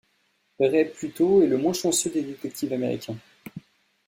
Ray Pluto est le moins chanceux des détectives américains.